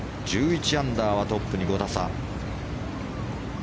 １１アンダーはトップに５打差。